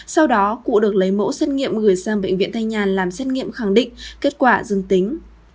sau đó cụ được lấy mẫu xét nghiệm gửi sang bệnh viện thanh nhàn làm xét nghiệm khẳng định kết quả dương tính